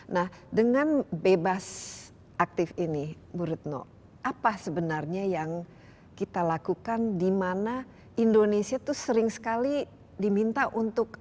nah dengan bebas aktif ini bu retno apa sebenarnya yang kita lakukan di mana indonesia itu sering sekali diminta untuk